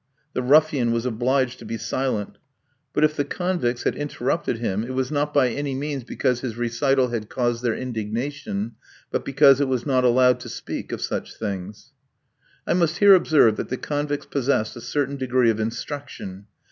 The ruffian was obliged to be silent. But if the convicts had interrupted him, it was not by any means because his recital had caused their indignation, but because it was not allowed to speak of such things. I must here observe that the convicts possessed a certain degree of instruction.